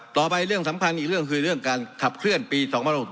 ต่อไปเรื่องสำคัญอีกเรื่องคือเรื่องการขับเคลื่อนปี๒๖๖